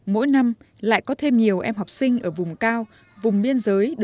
mỗi năm lại có thêm nhiều em học sinh ở vùng